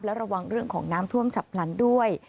และระวังเรื่องของน้ำท่วมฉับพลันด้วย